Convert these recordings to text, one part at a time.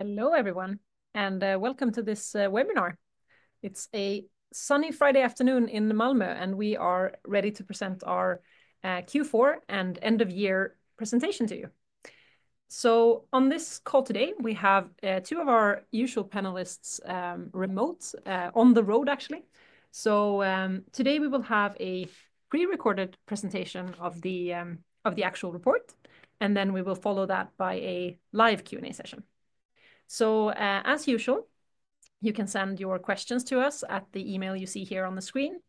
Hello, everyone, and welcome to this webinar. It's a sunny Friday afternoon in Malmö, and we are ready to present our Q4 and end-of-year presentation to you. On this call today, we have two of our usual panelists remote, on the road, actually. Today we will have a pre-recorded presentation of the actual report, and we will follow that by a live Q&A session. As usual, you can send your questions to us at the email you see here on the screen,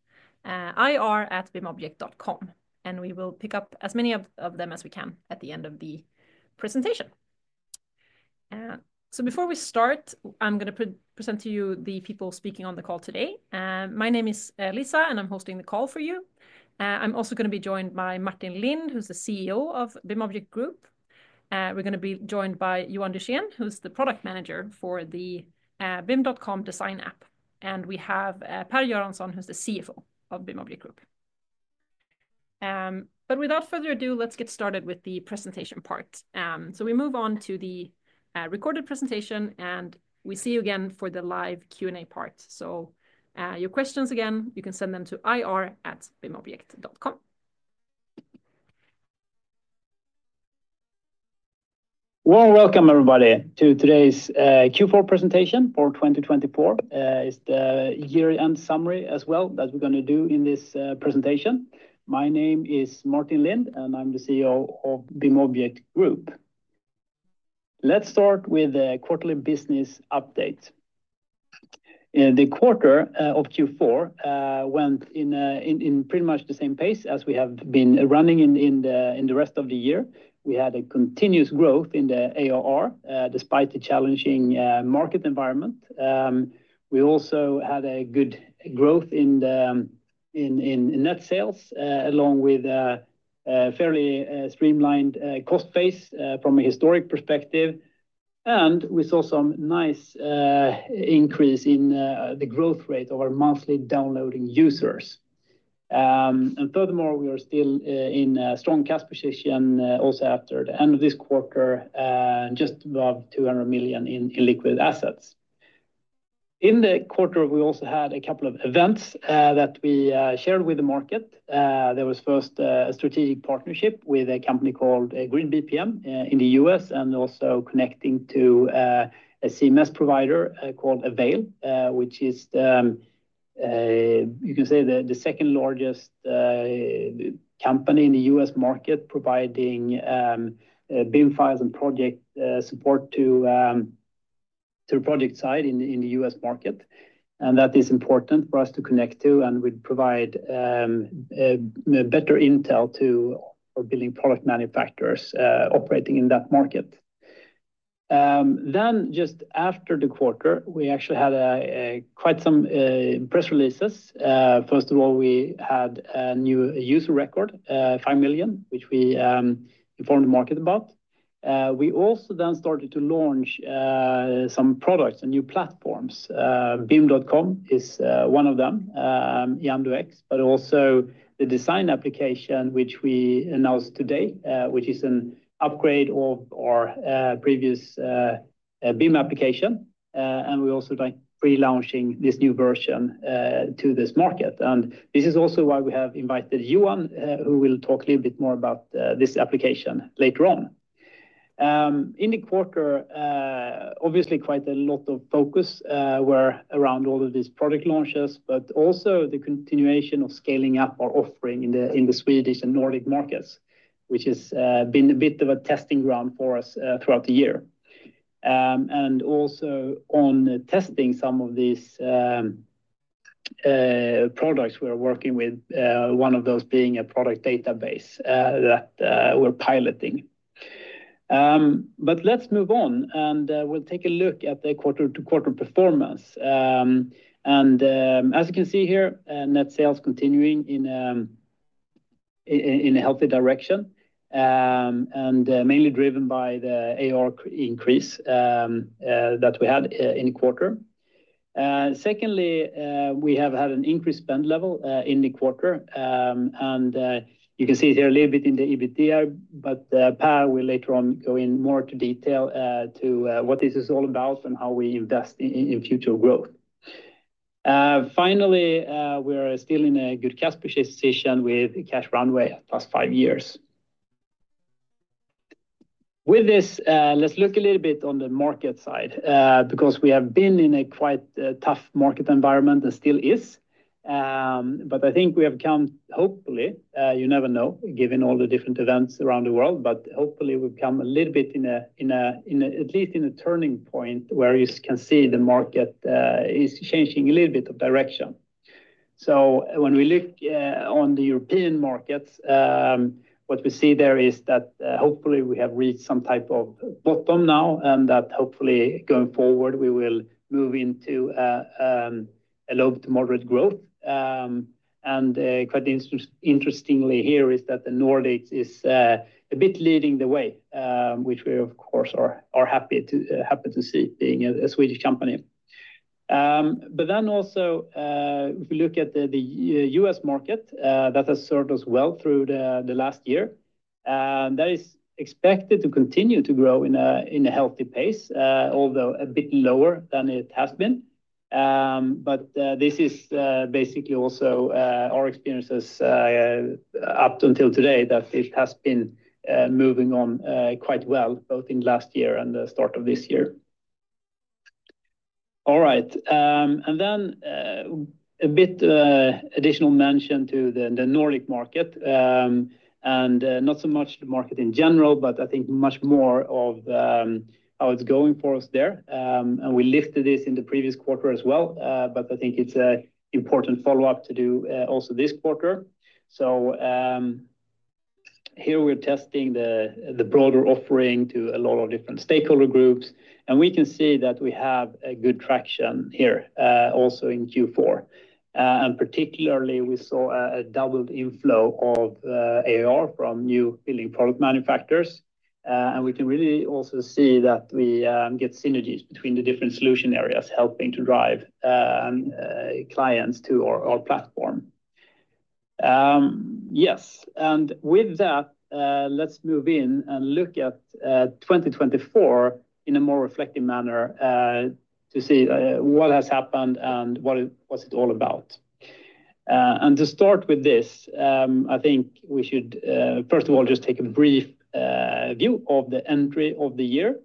ir@bimobject.com, and we will pick up as many of them as we can at the end of the presentation. Before we start, I'm going to present to you the people speaking on the call today. My name is Lisa, and I'm hosting the call for you. I'm also going to be joined by Martin Lindh, who's the CEO of BIMobject Group. We're going to be joined by Johan Dyrssen, who's the Product Manager for the BIMobject Design App. And we have Per Göransson, who's the CFO of BIMobject Group. But without further ado, let's get started with the presentation part. So, we move on to the recorded presentation, and we see you again for the live Q&A part. So, your questions again, you can send them to ir@bimobject.com. Welcome, everybody, to today's Q4 presentation for 2024. It is the year-end summary as well that we are going to do in this presentation. My name is Martin Lindh, and I am the CEO of BIMobject Group. Let's start with the quarterly business update. The quarter of Q4 went in pretty much the same pace as we have been running in the rest of the year. We had a continuous growth in the ARR despite the challenging market environment. We also had a good growth in net sales, along with a fairly streamlined cost phase from a historic perspective. We saw some nice increase in the growth rate of our monthly downloading users. Furthermore, we are still in a strong cash position also after the end of this quarter, just above 200 million in liquid assets. In the quarter, we also had a couple of events that we shared with the market. There was first a strategic partnership with a company called gridBPM in the U.S. and also connecting to a CMS provider called Avail, which is, you can say, the second largest company in the U.S. market providing BIM files and project support to the project side in the U.S. market. That is important for us to connect to, and we'd provide better intel for building product manufacturers operating in that market. Just after the quarter, we actually had quite some press releases. First of all, we had a new user record, 5 million, which we informed the market about. We also then started to launch some products and new platforms. Bim.com is one of them, EandoX, but also the design application, which we announced today, which is an upgrade of our previous BIM application. We are also pre-launching this new version to this market. This is also why we have invited Johan, who will talk a little bit more about this application later on. In the quarter, obviously, quite a lot of focus was around all of these product launches, but also the continuation of scaling up our offering in the Swedish and Nordic markets, which has been a bit of a testing ground for us throughout the year. Also, on testing some of these products, we are working with one of those being a product database that we are piloting. Let's move on, and we will take a look at the quarter-to-quarter performance. As you can see here, net sales continuing in a healthy direction and mainly driven by the ARR increase that we had in the quarter. Secondly, we have had an increased spend level in the quarter. You can see here a little bit in the EBITDA, but Per will later on go more into detail to what this is all about and how we invest in future growth. Finally, we are still in a good cash position with cash runway plus five years. With this, let's look a little bit on the market side, because we have been in a quite tough market environment and still are. I think we have come, hopefully, you never know, given all the different events around the world, but hopefully we've come a little bit in, at least in a turning point where you can see the market is changing a little bit of direction. When we look on the European markets, what we see there is that hopefully we have reached some type of bottom now, and that hopefully going forward, we will move into a low to moderate growth. Quite interestingly here is that the Nordics is a bit leading the way, which we, of course, are happy to see being a Swedish company. If we look at the U.S. market, that has served us well through the last year. That is expected to continue to grow in a healthy pace, although a bit lower than it has been. This is basically also our experiences up until today that it has been moving on quite well, both in last year and the start of this year. All right. A bit additional mention to the Nordic market, and not so much the market in general, but I think much more of how it's going for us there. We listed this in the previous quarter as well, but I think it's an important follow-up to do also this quarter. Here we're testing the broader offering to a lot of different stakeholder groups, and we can see that we have good traction here also in Q4. Particularly, we saw a doubled inflow of ARR from new building product manufacturers. We can really also see that we get synergies between the different solution areas helping to drive clients to our platform. Yes. With that, let's move in and look at 2024 in a more reflective manner to see what has happened and what it was all about. To start with this, I think we should, first of all, just take a brief view of the entry of the year.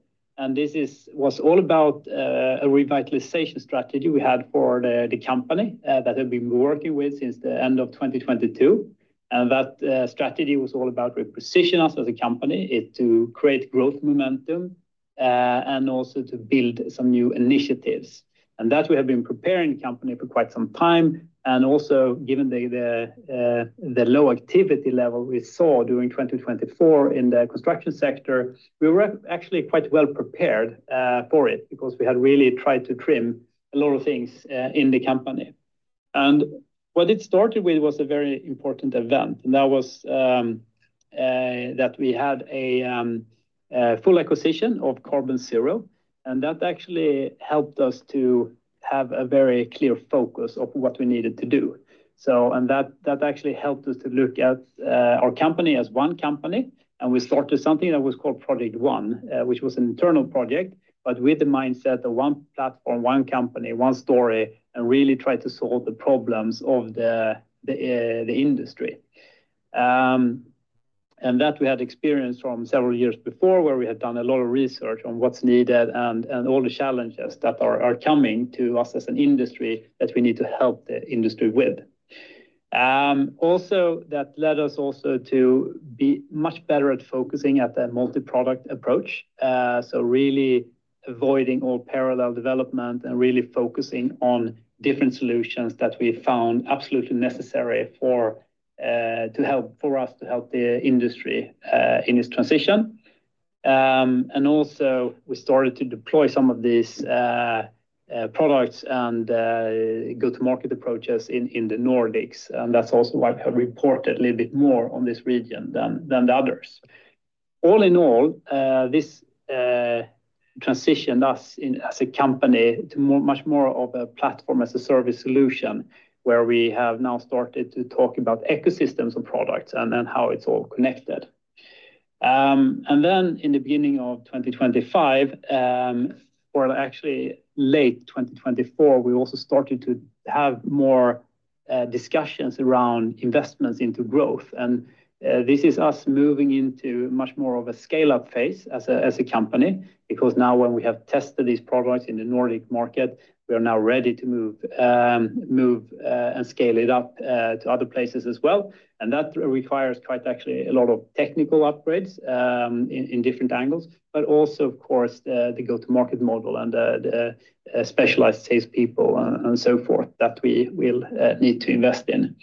This was all about a revitalization strategy we had for the company that we've been working with since the end of 2022. That strategy was all about repositioning us as a company to create growth momentum and also to build some new initiatives. We have been preparing the company for quite some time. Also, given the low activity level we saw during 2024 in the construction sector, we were actually quite well prepared for it because we had really tried to trim a lot of things in the company. What it started with was a very important event. That was that we had a full acquisition of Carbonzero. That actually helped us to have a very clear focus of what we needed to do. That actually helped us to look at our company as one company. We started something that was called Project One, which was an internal project, but with the mindset of one platform, one company, one story, and really try to solve the problems of the industry. We had experienced from several years before where we had done a lot of research on what's needed and all the challenges that are coming to us as an industry that we need to help the industry with. Also, that led us also to be much better at focusing at the multi-product approach. Really avoiding all parallel development and really focusing on different solutions that we found absolutely necessary to help for us to help the industry in this transition. Also, we started to deploy some of these products and go-to-market approaches in the Nordics. That is also why we have reported a little bit more on this region than the others. All in all, this transitioned us as a company to much more of a platform as a service solution where we have now started to talk about ecosystems of products and how it is all connected. In the beginning of 2025, or actually late 2024, we also started to have more discussions around investments into growth. This is us moving into much more of a scale-up phase as a company, because now when we have tested these products in the Nordic market, we are now ready to move and scale it up to other places as well. That requires quite actually a lot of technical upgrades in different angles, but also, of course, the go-to-market model and the specialized salespeople and so forth that we will need to invest in.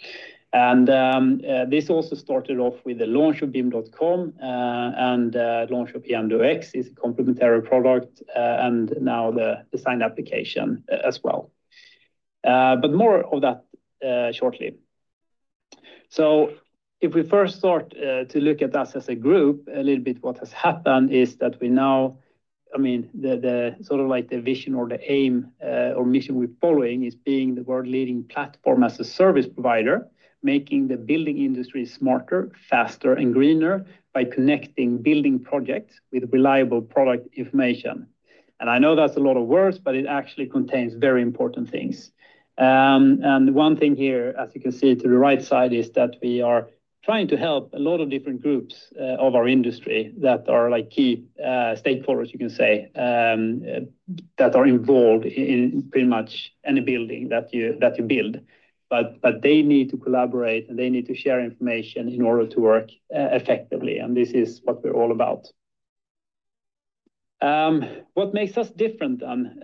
This also started off with the launch of bim.com and launch of EandoX. It's a complementary product and now the design application as well. More of that shortly. If we first start to look at us as a group, a little bit what has happened is that we now, I mean, the sort of like the vision or the aim or mission we're following is being the world-leading platform as a service provider, making the building industry smarter, faster, and greener by connecting building projects with reliable product information. I know that's a lot of words, but it actually contains very important things. One thing here, as you can see to the right side, is that we are trying to help a lot of different groups of our industry that are like key stakeholders, you can say, that are involved in pretty much any building that you build. They need to collaborate and they need to share information in order to work effectively. This is what we're all about. What makes us different then?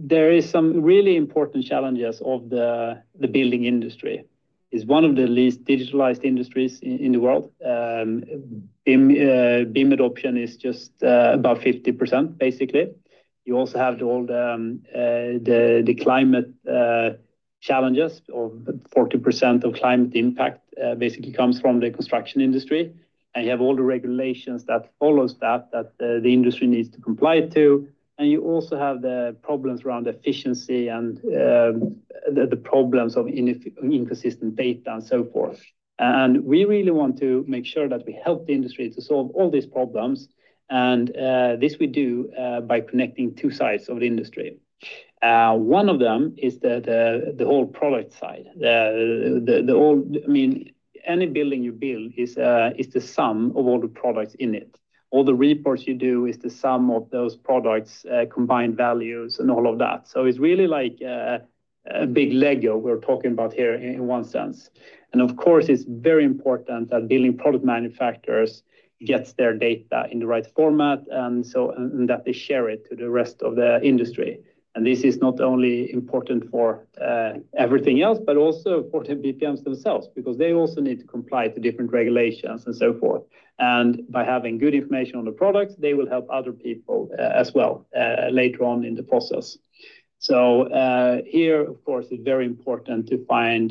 There are some really important challenges of the building industry. It is one of the least digitalized industries in the world. BIM adoption is just about 50% basically. You also have all the climate challenges of 40% of climate impact basically comes from the construction industry. You have all the regulations that follow that the industry needs to comply to. You also have the problems around efficiency and the problems of inconsistent data and so forth. We really want to make sure that we help the industry to solve all these problems. This we do by connecting two sides of the industry. One of them is the whole product side. I mean, any building you build is the sum of all the products in it. All the reports you do is the sum of those products, combined values, and all of that. It is really like a big Lego we're talking about here in one sense. Of course, it is very important that building product manufacturers get their data in the right format and that they share it to the rest of the industry. This is not only important for everything else, but also for the BPMs themselves, because they also need to comply to different regulations and so forth. By having good information on the products, they will help other people as well later on in the process. Here, of course, it is very important to find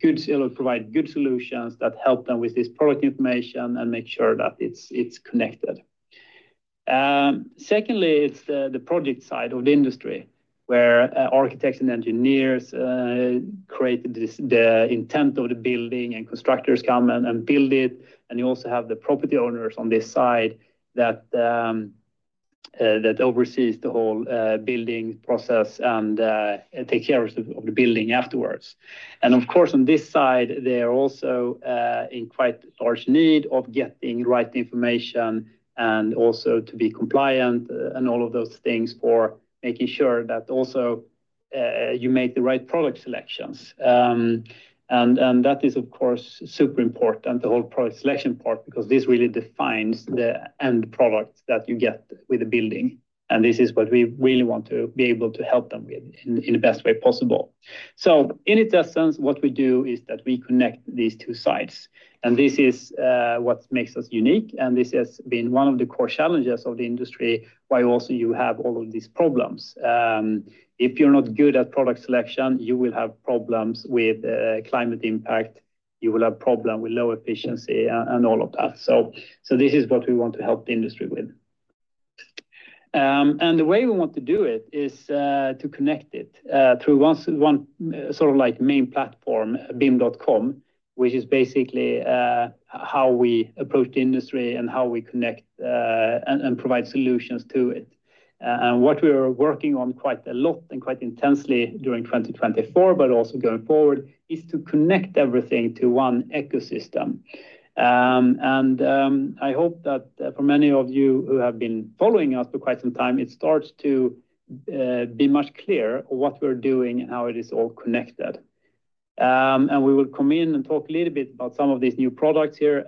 good, provide good solutions that help them with this product information and make sure that it's connected. Secondly, it's the project side of the industry where architects and engineers create the intent of the building and constructors come and build it. You also have the property owners on this side that oversee the whole building process and take care of the building afterwards. Of course, on this side, they are also in quite large need of getting the right information and also to be compliant and all of those things for making sure that also you make the right product selections. That is, of course, super important, the whole product selection part, because this really defines the end product that you get with a building. This is what we really want to be able to help them with in the best way possible. In a test sense, what we do is that we connect these two sides. This is what makes us unique. This has been one of the core challenges of the industry, why also you have all of these problems. If you're not good at product selection, you will have problems with climate impact. You will have problems with low efficiency and all of that. This is what we want to help the industry with. The way we want to do it is to connect it through one sort of like main platform, bim.com, which is basically how we approach the industry and how we connect and provide solutions to it. What we are working on quite a lot and quite intensely during 2024, but also going forward, is to connect everything to one ecosystem. I hope that for many of you who have been following us for quite some time, it starts to be much clearer what we're doing and how it is all connected. We will come in and talk a little bit about some of these new products here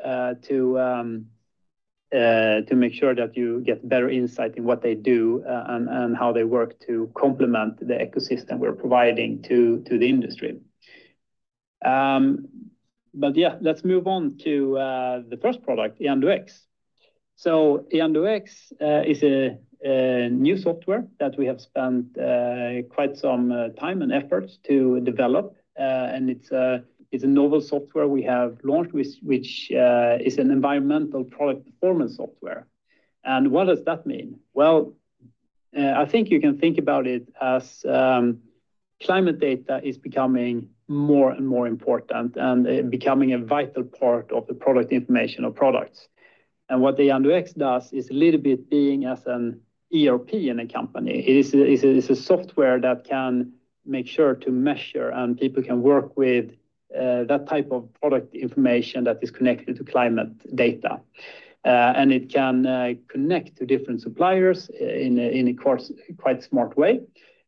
to make sure that you get better insight in what they do and how they work to complement the ecosystem we're providing to the industry. Let's move on to the first product, EandoX. EandoX is a new software that we have spent quite some time and effort to develop. It's a novel software we have launched, which is an environmental product performance software. What does that mean? I think you can think about it as climate data is becoming more and more important and becoming a vital part of the product information of products. What the EandoX does is a little bit being as an ERP in a company. It's a software that can make sure to measure and people can work with that type of product information that is connected to climate data. It can connect to different suppliers in a quite smart way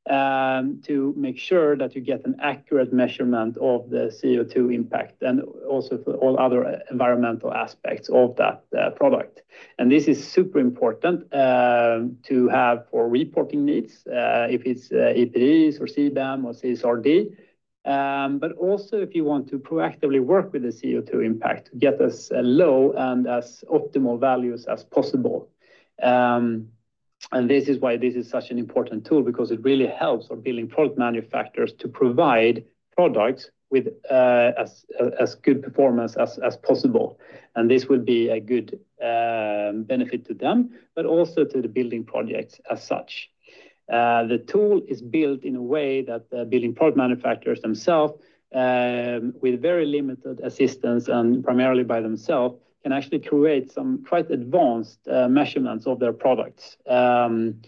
to make sure that you get an accurate measurement of the CO2 impact and also for all other environmental aspects of that product. This is super important to have for reporting needs if it's EPDs or CBAM or CSRD, but also if you want to proactively work with the CO2 impact to get as low and as optimal values as possible. This is why this is such an important tool because it really helps our building product manufacturers to provide products with as good performance as possible. This will be a good benefit to them, but also to the building projects as such. The tool is built in a way that the building product manufacturers themselves, with very limited assistance and primarily by themselves, can actually create some quite advanced measurements of their products. We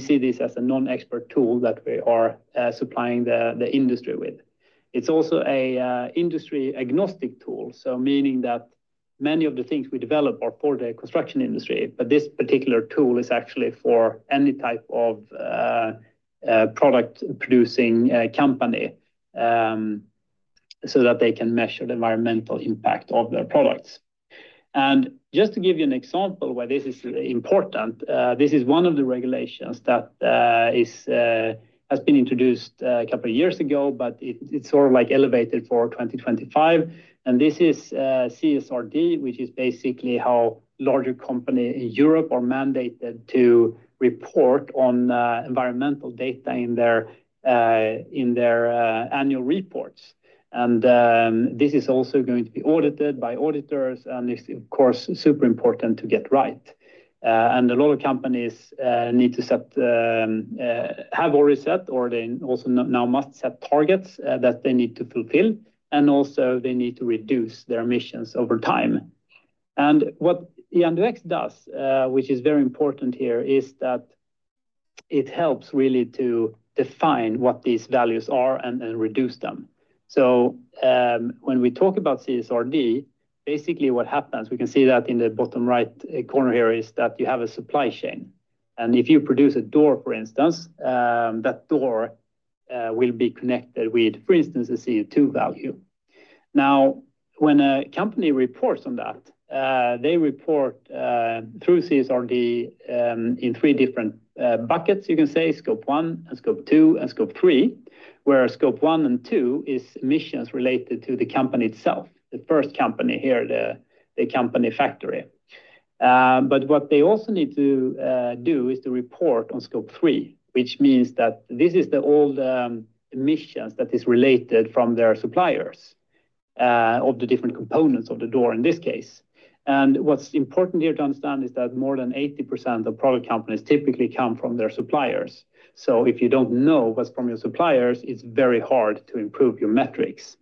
see this as a non-expert tool that we are supplying the industry with. It's also an industry-agnostic tool, meaning that many of the things we develop are for the construction industry, but this particular tool is actually for any type of product-producing company so that they can measure the environmental impact of their products. Just to give you an example why this is important, this is one of the regulations that has been introduced a couple of years ago, but it's sort of like elevated for 2025. This is CSRD, which is basically how larger companies in Europe are mandated to report on environmental data in their annual reports. This is also going to be audited by auditors. It's, of course, super important to get right. A lot of companies need to have already set or they also now must set targets that they need to fulfill. Also, they need to reduce their emissions over time. What EandoX does, which is very important here, is that it helps really to define what these values are and reduce them. When we talk about CSRD, basically what happens, we can see that in the bottom right corner here, is that you have a supply chain. If you produce a door, for instance, that door will be connected with, for instance, a CO2 value. Now, when a company reports on that, they report through CSRD in three different buckets, you can say, scope one and scope two and scope three, where scope one and two is emissions related to the company itself, the first company here, the company factory. What they also need to do is to report on scope three, which means that this is the old emissions that is related from their suppliers of the different components of the door in this case. What's important here to understand is that more than 80% of product companies typically come from their suppliers. If you don't know what's from your suppliers, it's very hard to improve your metrics.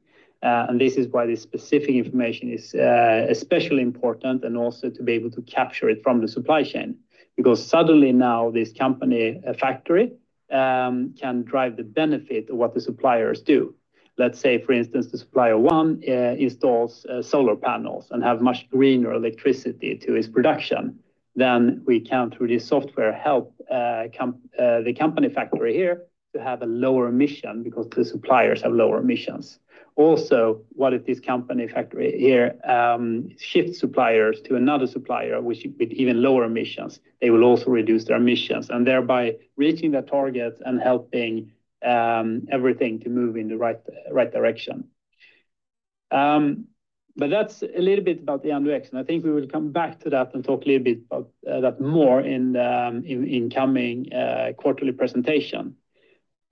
This is why this specific information is especially important and also to be able to capture it from the supply chain, because suddenly now this company factory can drive the benefit of what the suppliers do. Let's say, for instance, the supplier one installs solar panels and has much greener electricity to his production, then we can through this software help the company factory here to have a lower emission because the suppliers have lower emissions. Also, what if this company factory here shifts suppliers to another supplier with even lower emissions, they will also reduce their emissions and thereby reaching their targets and helping everything to move in the right direction. That's a little bit about the EandoX. I think we will come back to that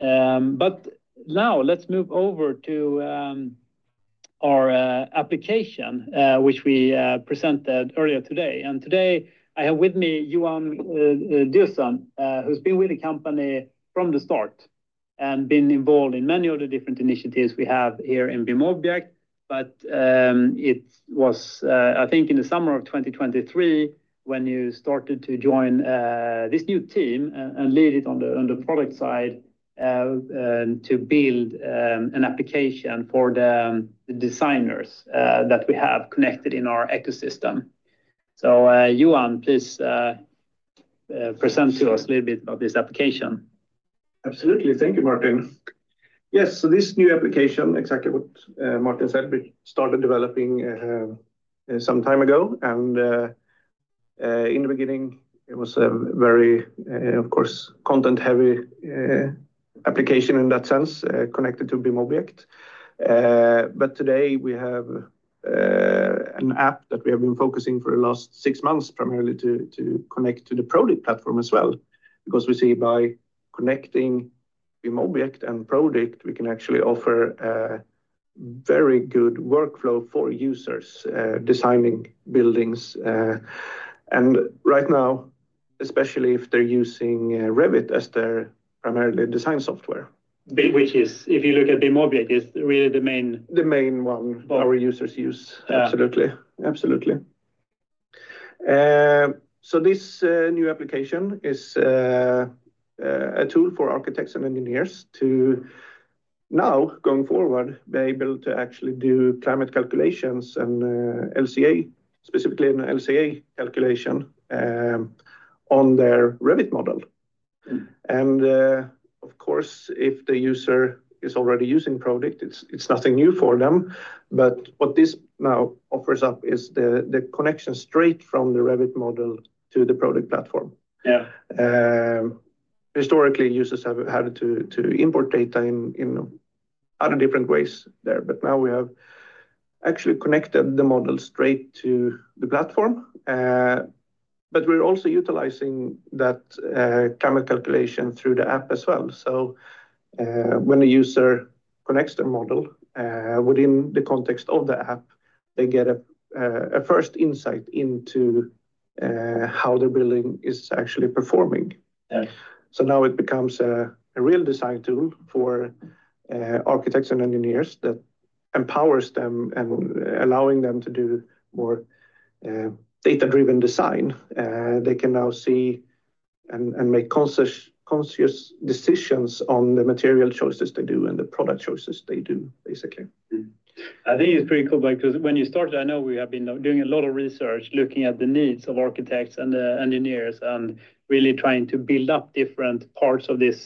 and talk a little bit about that more in the incoming quarterly presentation. Now let's move over to our application, which we presented earlier today. Today I have with me Johan Dyrssen, who's been with the company from the start and been involved in many of the different initiatives we have here in BIMobject. It was, I think, in the summer of 2023 when you started to join this new team and lead it on the product side to build an application for the designers that we have connected in our ecosystem. Johan, please present to us a little bit about this application. Absolutely. Thank you, Martin. Yes. This new application, exactly what Martin said, we started developing some time ago. In the beginning, it was a very, of course, content-heavy application in that sense connected to BIMobject. Today we have an app that we have been focusing on for the last six months, primarily to connect to the Prodikt platform as well, because we see by connecting BIMobject and Prodikt, we can actually offer a very good workflow for users designing buildings. Right now, especially if they're using Revit as their primary design software. Which is, if you look at BIMobject, is really the main. The main one our users use. Absolutely. Absolutely. This new application is a tool for architects and engineers to now, going forward, be able to actually do climate calculations and LCA, specifically an LCA calculation on their Revit model. Of course, if the user is already using Prodikt, it's nothing new for them. What this now offers up is the connection straight from the Revit model to the Prodikt platform. Historically, users have had to import data in other different ways there. Now we have actually connected the model straight to the platform. We are also utilizing that climate calculation through the app as well. When a user connects their model within the context of the app, they get a first insight into how the building is actually performing. Now it becomes a real design tool for architects and engineers that empowers them and allows them to do more data-driven design. They can now see and make conscious decisions on the material choices they do and the product choices they do, basically. I think it's pretty cool because when you started, I know we have been doing a lot of research looking at the needs of architects and engineers and really trying to build up different parts of this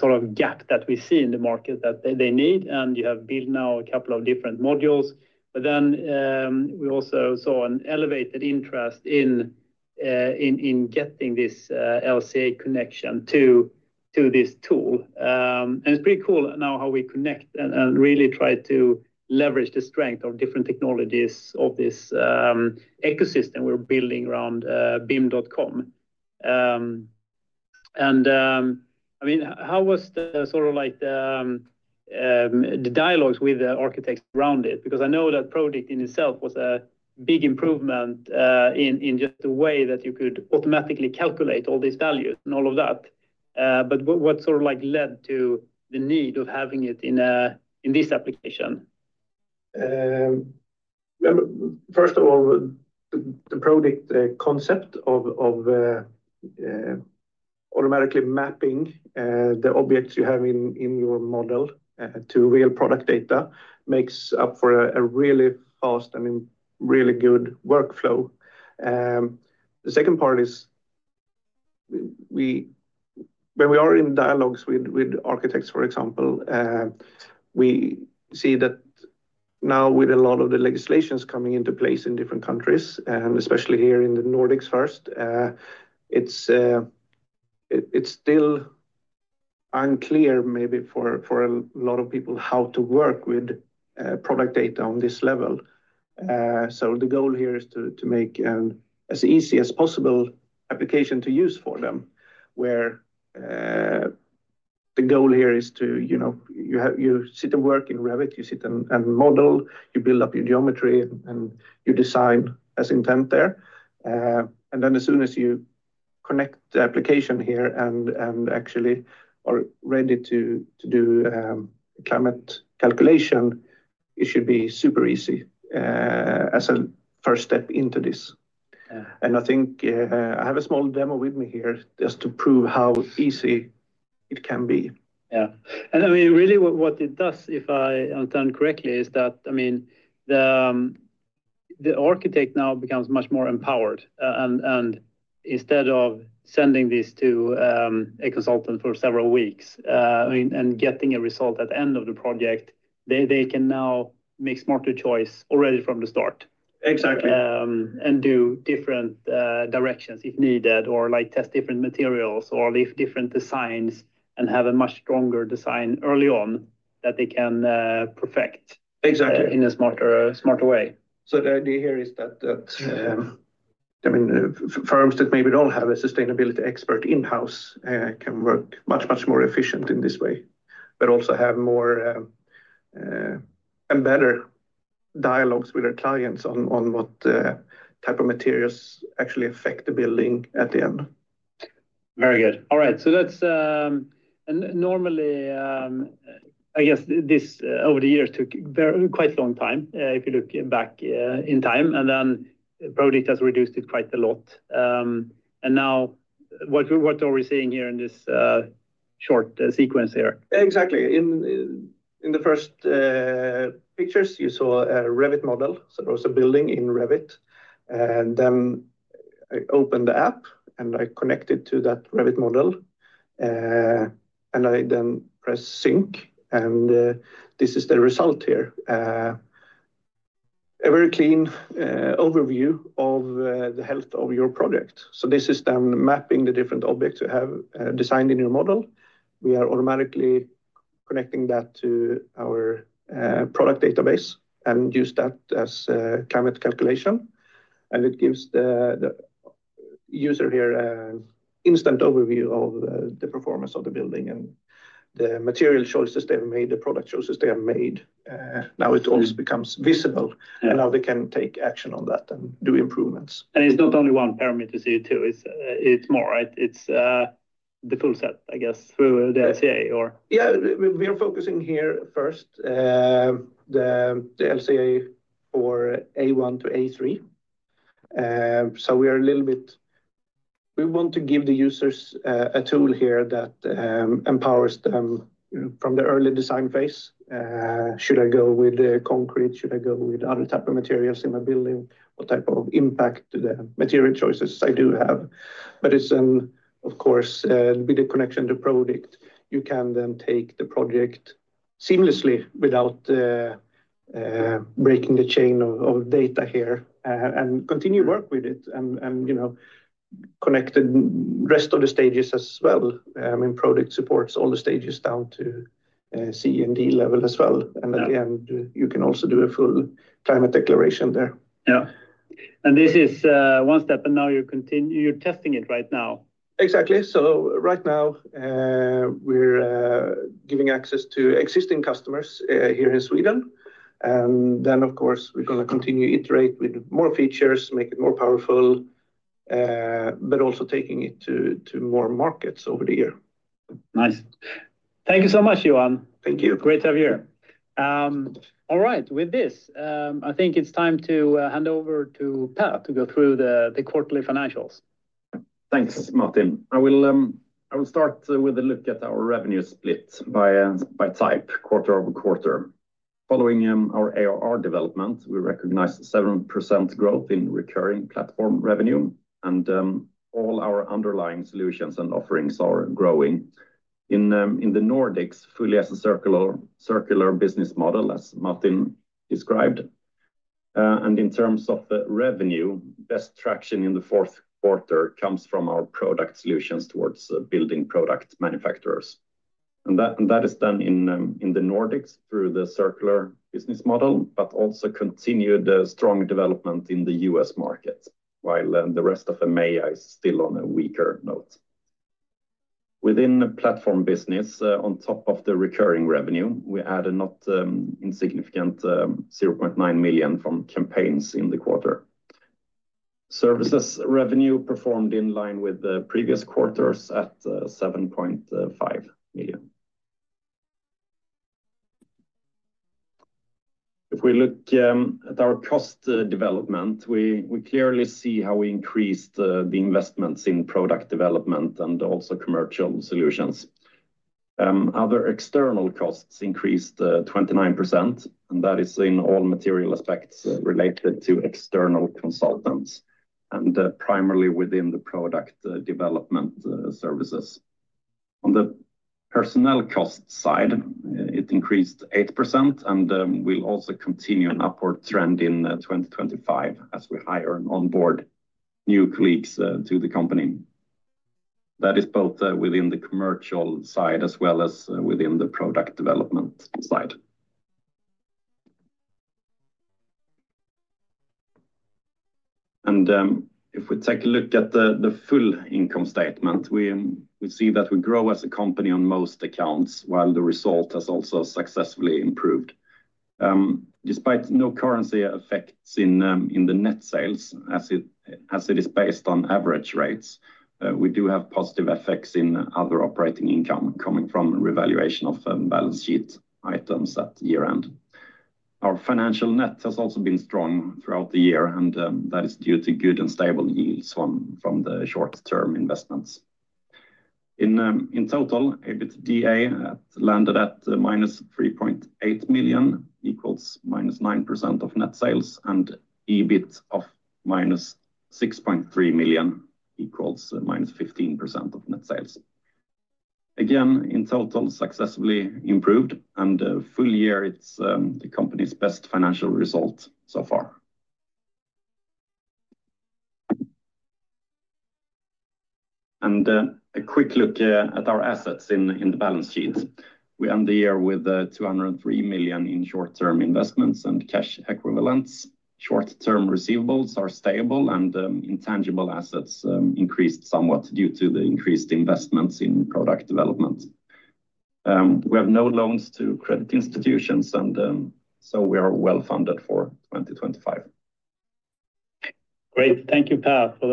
sort of gap that we see in the market that they need. You have built now a couple of different modules. We also saw an elevated interest in getting this LCA connection to this tool. It's pretty cool now how we connect and really try to leverage the strength of different technologies of this ecosystem we're building around bim.com. I mean, how was the sort of like the dialogue with the architects around it? I know that Prodikt in itself was a big improvement in just the way that you could automatically calculate all these values and all of that. What sort of like led to the need of having it in this application? First of all, the Prodikt concept of automatically mapping the objects you have in your model to real product data makes up for a really fast and really good workflow. The second part is when we are in dialogues with architects, for example, we see that now with a lot of the legislations coming into place in different countries, and especially here in the Nordics first, it's still unclear maybe for a lot of people how to work with product data on this level. The goal here is to make as easy as possible application to use for them, where the goal here is to you sit and work in Revit, you sit and model, you build up your geometry, and you design as intent there. As soon as you connect the application here and actually are ready to do climate calculation, it should be super easy as a first step into this. I think I have a small demo with me here just to prove how easy it can be. Yeah. I mean, really what it does, if I understand correctly, is that, I mean, the architect now becomes much more empowered. Instead of sending this to a consultant for several weeks and getting a result at the end of the project, they can now make smarter choices already from the start. Exactly. Do different directions if needed or test different materials or different designs and have a much stronger design early on that they can perfect in a smarter way. Exactly. The idea here is that, I mean, firms that maybe do not have a sustainability expert in-house can work much, much more efficiently in this way, but also have more and better dialogues with their clients on what type of materials actually affect the building at the end. Very good. All right. Normally, I guess this over the years took quite a long time if you look back in time. Prodikt has reduced it quite a lot. Now what are we seeing here in this short sequence here? Exactly. In the first pictures, you saw a Revit model. There was a building in Revit. I opened the app and I connected to that Revit model. I then press sync. This is the result here. A very clean overview of the health of your project. This is mapping the different objects you have designed in your model. We are automatically connecting that to our product database and use that as climate calculation. It gives the user here an instant overview of the performance of the building and the material choices they've made, the product choices they have made. Now it all becomes visible. Now they can take action on that and do improvements. It is not only one perimeter CO2. It is more, right? It is the full set, I guess, through the LCA or. Yeah. We are focusing here first, the LCA for A1 to A3. We want to give the users a tool here that empowers them from the early design phase. Should I go with the concrete? Should I go with other types of materials in my building? What type of impact do the material choices I do have? It is, of course, with the connection to Prodikt, you can then take the project seamlessly without breaking the chain of data here and continue to work with it and connect the rest of the stages as well. I mean, Prodikt supports all the stages down to C&D level as well. At the end, you can also do a full climate declaration there. Yeah. This is one step. Now you're testing it right now. Exactly. Right now, we're giving access to existing customers here in Sweden. Of course, we're going to continue to iterate with more features, make it more powerful, but also taking it to more markets over the year. Nice. Thank you so much, Johan. Thank you. Great to have you here. All right. With this, I think it's time to hand over to Per to go through the quarterly financials. Thanks, Martin. I will start with a look at our revenue split by type, quarter-over-quarter. Following our ARR development, we recognize 7% growth in recurring platform revenue. All our underlying solutions and offerings are growing. In the Nordics, fully as a circular business model, as Martin described. In terms of revenue, best traction in the fourth quarter comes from our product solutions towards building product manufacturers. That is done in the Nordics through the circular business model, but also continued strong development in the U.S. market, while the rest of EMEA is still on a weaker note. Within platform business, on top of the recurring revenue, we add a not insignificant 0.9 million from campaigns in the quarter. Services revenue performed in line with the previous quarters at 7.5 million. If we look at our cost development, we clearly see how we increased the investments in product development and also commercial solutions. Other external costs increased 29%. That is in all material aspects related to external consultants and primarily within the product development services. On the personnel cost side, it increased 8%. We will also continue an upward trend in 2025 as we hire and onboard new colleagues to the company. That is both within the commercial side as well as within the product development side. If we take a look at the full income statement, we see that we grow as a company on most accounts, while the result has also successfully improved. Despite no currency effects in the net sales, as it is based on average rates, we do have positive effects in other operating income coming from revaluation of balance sheet items at year-end. Our financial net has also been strong throughout the year. That is due to good and stable yields from the short-term investments. In total, EBITDA landed at -3.8 million equals -9% of net sales, and EBIT of -6.3 million equals -15% of net sales. Again, in total, successfully improved. Full year, it's the company's best financial result so far. A quick look at our assets in the balance sheet. We end the year with 203 million in short-term investments and cash equivalents. Short-term receivables are stable. Intangible assets increased somewhat due to the increased investments in product development. We have no loans to credit institutions. We are well funded for 2025. Great. Thank you, Per, for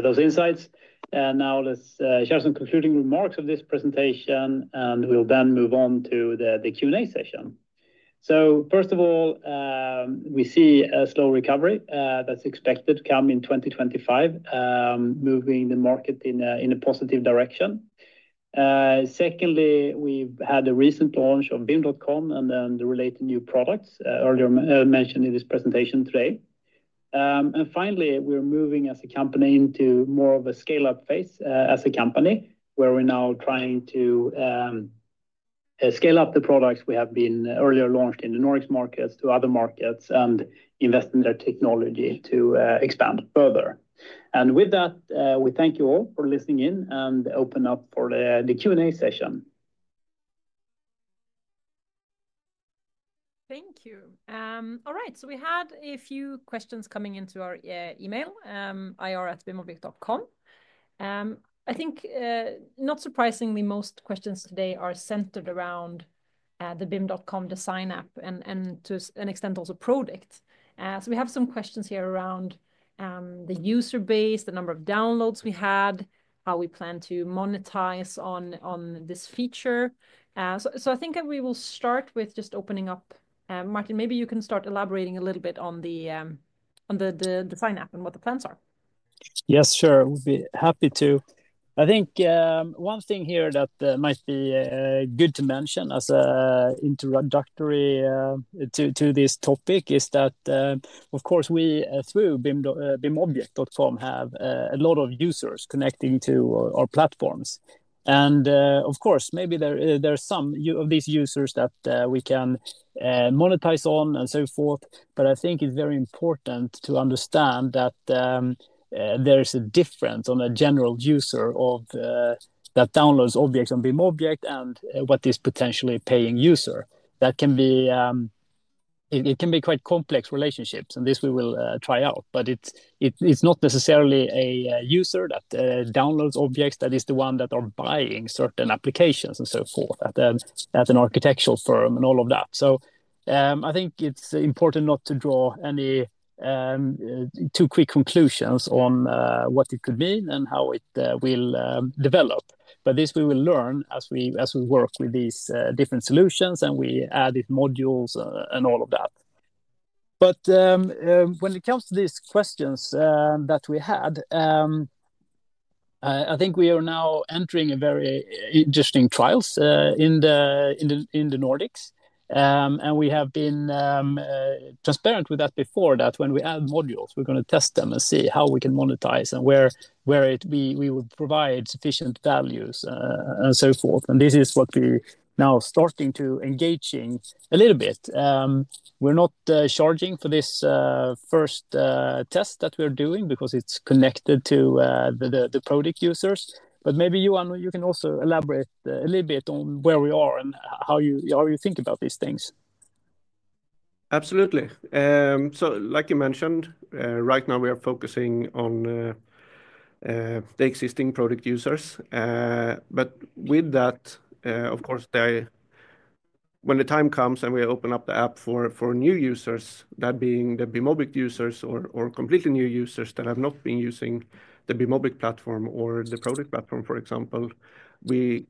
those insights. Now let's share some concluding remarks of this presentation. We'll then move on to the Q&A session. First of all, we see a slow recovery that's expected to come in 2025, moving the market in a positive direction. Secondly, we've had a recent launch of bim.com and the related new products earlier mentioned in this presentation today. Finally, we're moving as a company into more of a scale-up phase as a company, where we're now trying to scale up the products we have been earlier launched in the Nordics markets to other markets and invest in their technology to expand further. With that, we thank you all for listening in and open up for the Q&A session. Thank you. All right. We had a few questions coming into our email, ir@bimobject.com. I think not surprisingly, most questions today are centered around the bim.com design app and to an extent also Prodikt. We have some questions here around the user base, the number of downloads we had, how we plan to monetize on this feature. I think we will start with just opening up. Martin, maybe you can start elaborating a little bit on the design app and what the plans are. Yes, sure. We'll be happy to. I think one thing here that might be good to mention as an introductory to this topic is that, of course, we through bimobject.com have a lot of users connecting to our platforms. Of course, maybe there are some of these users that we can monetize on and so forth. I think it's very important to understand that there is a difference on a general user that downloads objects on BIMobject and what is potentially a paying user. That can be quite complex relationships. This we will try out. It's not necessarily a user that downloads objects that is the one that is buying certain applications and so forth at an architectural firm and all of that. I think it's important not to draw any too quick conclusions on what it could mean and how it will develop. This we will learn as we work with these different solutions and we added modules and all of that. When it comes to these questions that we had, I think we are now entering very interesting trials in the Nordics. We have been transparent with that before that when we add modules, we're going to test them and see how we can monetize and where we will provide sufficient values and so forth. This is what we are now starting to engage in a little bit. We're not charging for this first test that we're doing because it's connected to the Prodikt users. Maybe Johan, you can also elaborate a little bit on where we are and how you think about these things. Absolutely. Like you mentioned, right now we are focusing on the existing Prodikt users. With that, of course, when the time comes and we open up the app for new users, that being the BIMobject users or completely new users that have not been using the BIMobject platform or the Prodikt platform, for example, we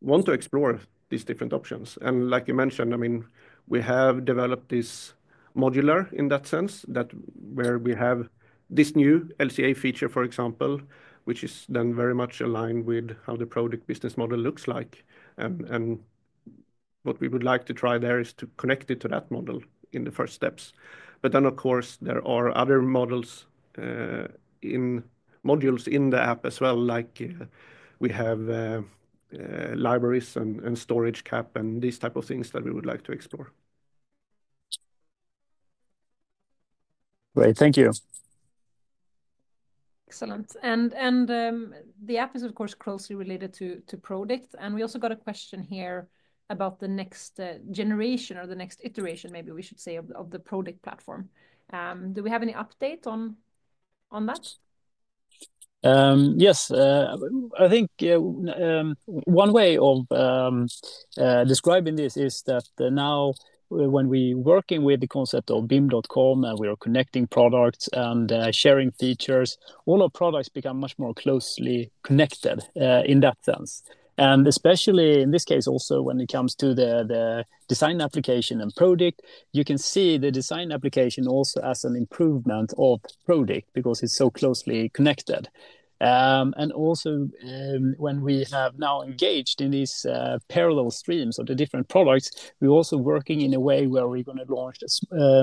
want to explore these different options. Like you mentioned, I mean, we have developed this modular in that sense where we have this new LCA feature, for example, which is then very much aligned with how the Prodikt business model looks like. What we would like to try there is to connect it to that model in the first steps. Of course, there are other modules in the app as well, like we have libraries and storage cap and these types of things that we would like to explore. Great. Thank you. Excellent. The app is, of course, closely related to Prodikt. We also got a question here about the next generation or the next iteration, maybe we should say, of the Prodikt platform. Do we have any update on that? Yes. I think one way of describing this is that now when we are working with the concept of bim.com and we are connecting products and sharing features, all our products become much more closely connected in that sense. Especially in this case, also when it comes to the design application and Prodikt, you can see the design application also as an improvement of Prodikt because it's so closely connected. Also, when we have now engaged in these parallel streams of the different products, we're also working in a way where we're going to launch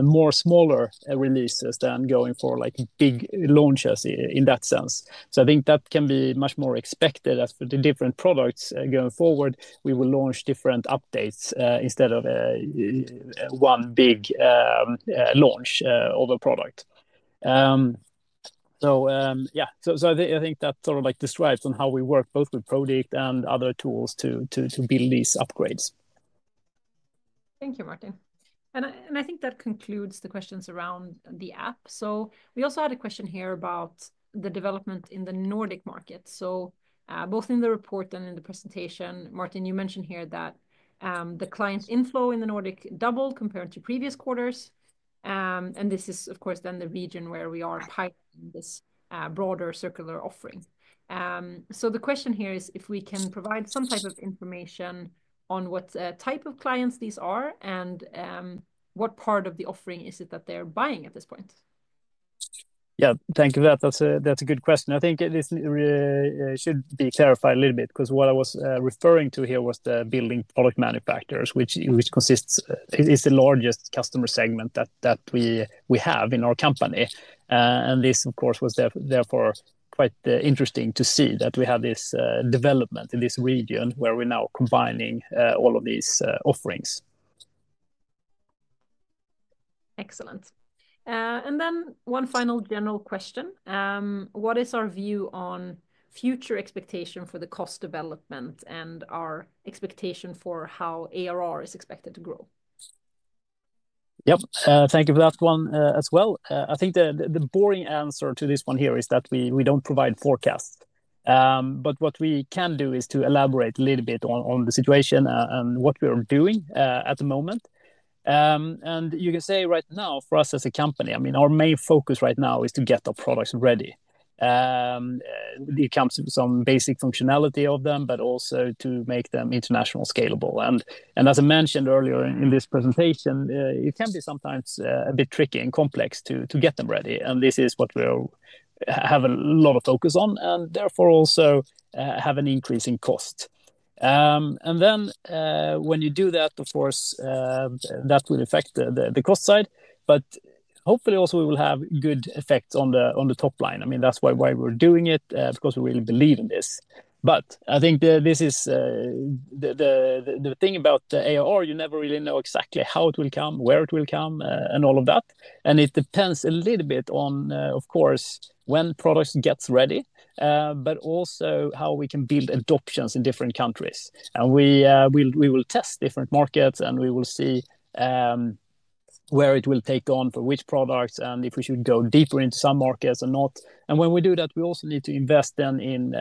more smaller releases than going for big launches in that sense. I think that can be much more expected as for the different products going forward, we will launch different updates instead of one big launch of a product. Yeah, I think that sort of describes on how we work both with Prodikt and other tools to build these upgrades. Thank you, Martin. I think that concludes the questions around the app. We also had a question here about the development in the Nordic market. Both in the report and in the presentation, Martin, you mentioned here that the client inflow in the Nordics doubled compared to previous quarters. This is, of course, the region where we are piloting this broader circular offering. The question here is if we can provide some type of information on what type of clients these are and what part of the offering it is that they are buying at this point. Yeah, thank you for that. That's a good question. I think this should be clarified a little bit because what I was referring to here was the building product manufacturers, which is the largest customer segment that we have in our company. This, of course, was therefore quite interesting to see that we had this development in this region where we're now combining all of these offerings. Excellent. One final general question. What is our view on future expectation for the cost development and our expectation for how ARR is expected to grow? Yep. Thank you for that one as well. I think the boring answer to this one here is that we do not provide forecasts. What we can do is to elaborate a little bit on the situation and what we are doing at the moment. You can say right now for us as a company, I mean, our main focus right now is to get our products ready. It comes with some basic functionality of them, but also to make them international scalable. As I mentioned earlier in this presentation, it can be sometimes a bit tricky and complex to get them ready. This is what we have a lot of focus on and therefore also have an increase in cost. When you do that, of course, that will affect the cost side. Hopefully also we will have good effects on the top line. I mean, that's why we're doing it because we really believe in this. I think this is the thing about ARR. You never really know exactly how it will come, where it will come, and all of that. It depends a little bit on, of course, when products get ready, but also how we can build adoptions in different countries. We will test different markets and we will see where it will take on for which products and if we should go deeper into some markets or not. When we do that, we also need to invest then in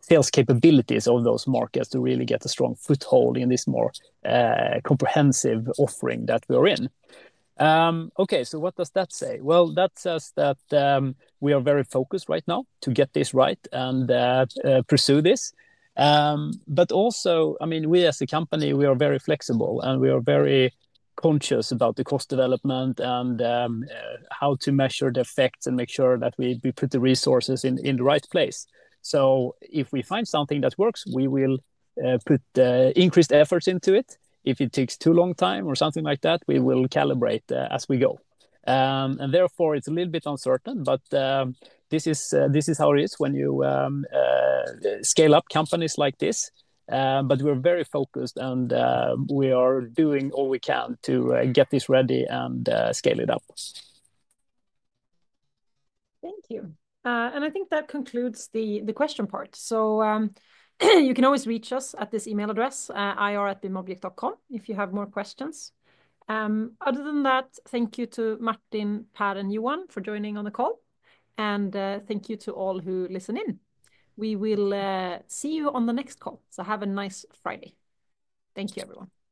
sales capabilities of those markets to really get a strong foothold in this more comprehensive offering that we are in. Okay, what does that say? That says that we are very focused right now to get this right and pursue this. Also, I mean, we as a company, we are very flexible and we are very conscious about the cost development and how to measure the effects and make sure that we put the resources in the right place. If we find something that works, we will put increased efforts into it. If it takes too long time or something like that, we will calibrate as we go. Therefore, it's a little bit uncertain, but this is how it is when you scale up companies like this. We are very focused and we are doing all we can to get this ready and scale it up. Thank you. I think that concludes the question part. You can always reach us at this email address, ir@bimobject.com, if you have more questions. Other than that, thank you to Martin, Per, and Johan for joining on the call. Thank you to all who listen in. We will see you on the next call. Have a nice Friday. Thank you, everyone.